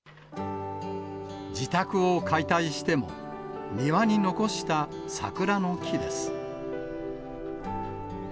自宅を解体しても、庭に残した桜の木です。